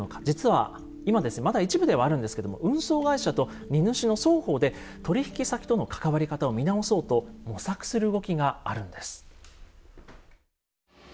実は今ですねまだ一部ではあるんですけども運送会社と荷主の双方で取引先との関わり方を見直そうと模索する動きがあるんです。